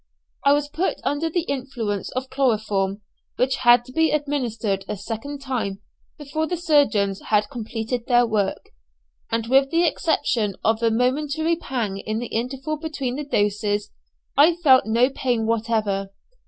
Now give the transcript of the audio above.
I was put under the influence of chloroform, which had to be administered a second time before the surgeons had completed their work, and with the exception of a momentary pang in the interval between the doses, I felt no pain whatever.